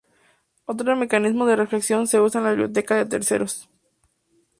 Otra mecanismo de reflexión se usa en las bibliotecas de terceros.